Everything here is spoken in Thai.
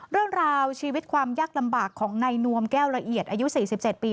เรื่องราวชีวิตความยากลำบากของนายนวมแก้วละเอียดอายุ๔๗ปี